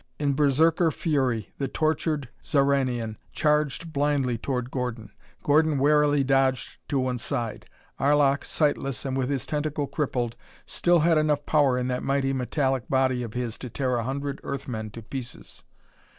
In berserker fury the tortured Xoranian charged blindly toward Gordon. Gordon warily dodged to one side. Arlok, sightless, and with his tentacle crippled, still had enough power in that mighty metallic body of his to tear a hundred Earth men to pieces.